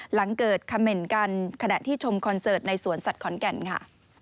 หลังเกิดคำเมนต์กันขณะที่ชมคอนเสิร์ตในสวนสัตว์ขอนแก่นค่ะ